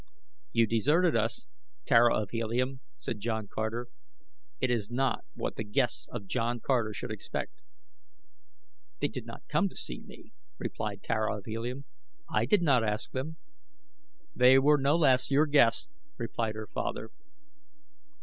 "You deserted us, Tara of Helium," said John Carter. "It is not what the guests of John Carter should expect." "They did not come to see me," replied Tara of Helium. "I did not ask them." "They were no less your guests," replied her father.